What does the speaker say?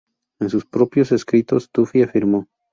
En sus propios escritos Duffy afirmó.